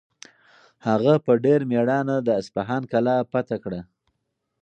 هغه په ډېر مېړانه د اصفهان کلا فتح کړه.